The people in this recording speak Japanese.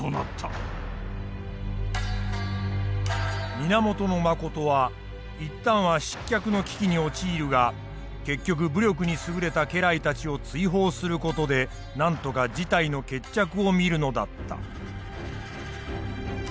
源信は一旦は失脚の危機に陥るが結局武力に優れた家来たちを追放する事でなんとか事態の決着を見るのだった。